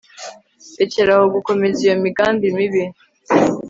rekeraho gukomeza iyo migambi mibi